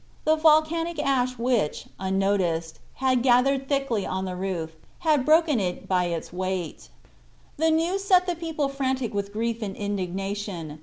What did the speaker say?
The volcanic ash which, unnoticed, had gathered thickly on the roof, had broken it in by its weight. The news set the people frantic with grief and indignation.